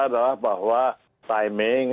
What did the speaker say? adalah bahwa timing